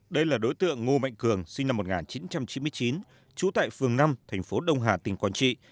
đây là đối tượng ngô mạnh cường sinh năm một nghìn chín trăm chín mươi chín trú tại phường năm thành phố đông hà tỉnh quảng trị